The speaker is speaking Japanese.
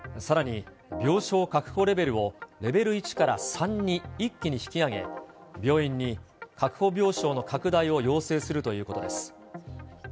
さらに病床確保レベルをレベル１から３に一気に引き上げ、病院に確保病床の拡大を要請するということです。